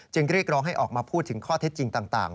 เรียกร้องให้ออกมาพูดถึงข้อเท็จจริงต่าง